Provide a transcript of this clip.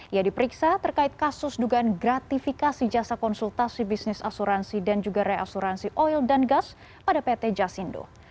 ia diperiksa terkait kasus dugaan gratifikasi jasa konsultasi bisnis asuransi dan juga reasuransi oil dan gas pada pt jasindo